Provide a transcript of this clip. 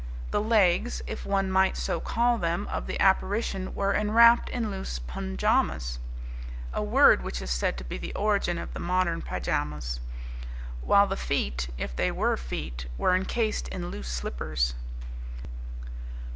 The legs, if one might so call them, of the apparition were enwrapped in loose punjahamas, a word which is said to be the origin of the modern pyjamas; while the feet, if they were feet, were encased in loose slippers.